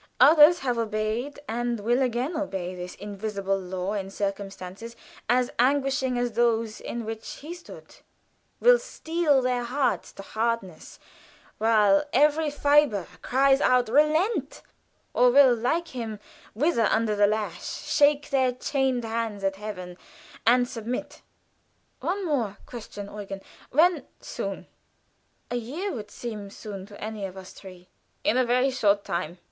Others have obeyed and will again obey this invisible law in circumstances as anguishing as those in which he stood, will steel their hearts to hardness while every fiber cries out, "Relent!" or will, like him, writhe under the lash, shake their chained hands at Heaven, and submit. "One more question, Eugen. When?" "Soon." "A year would seem soon to any of us three." "In a very short time.